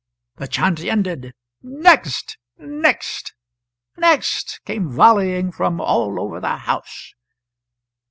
The chant ended. "Next! next! next!" came volleying from all over the house.